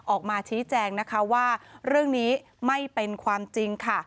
ออกมาชี้แจงนะคะว่าเรื่องนี้ไม่เป็นความจริงค่ะ